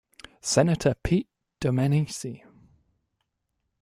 Senator Pete Domenici.